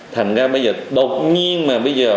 thành ra bây giờ đột nhiên mà bây giờ